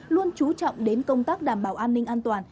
luôn chú trọng đến công tác đảm bảo an ninh an toàn